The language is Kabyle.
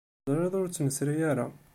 Teẓrid ur tt-nesri ara.